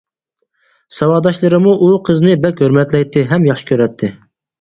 ساۋاقداشلىرىمۇ ئۇ قىزنى بەك ھۆرمەتلەيتتى ھەم ياخشى كۆرەتتى.